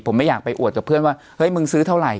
ผมไม่อยากไปอวดกับเพื่อนว่าเฮ้ยมึงซื้อเท่าไหร